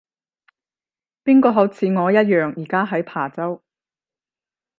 邊個好似我一樣而家喺琶洲